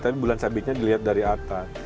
tapi bulan sabitnya dilihat dari atas